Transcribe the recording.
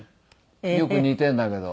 よく似てるんだけど。